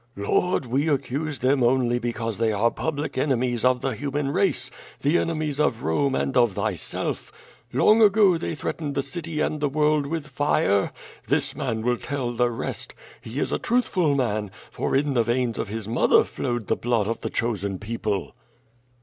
"Lord, we accuse them only because tliey are public ene mies of the human race, the enemies of Rome and of thyself. Long ago they threatened the city and the world with fire. This man will tell the rest. He is a truthful man, for in the veins of his mother flowed tlie blood of the chosen people."